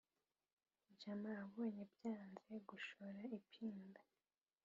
jama abonye byanze gushora ipinda